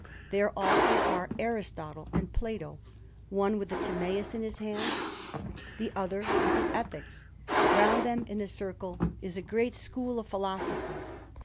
There, also, are Aristotle and Plato, one with the Timæus in his hand, the other with the Ethics; and round them, in a circle, is a great school of philosophers.